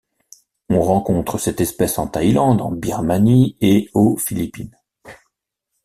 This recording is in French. On rencontre cette espèce en Thaïlande, en Birmanie et aux Philippines.